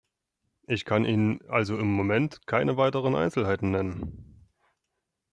Ich kann Ihnen also im Moment keine weiteren Einzelheiten nennen.